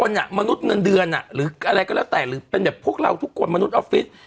หรืออะไรก็แล้วแต่หรือเป็นแบบพวกเราทุกคนมนุษย์ออฟฟิศ